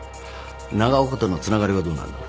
長岡とのつながりはどうなんだ？